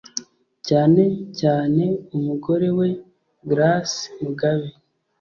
cyane cyane umugore we Grace Mugabe